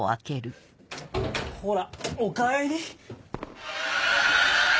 ほらお帰り。